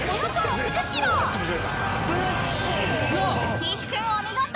［岸君お見事！］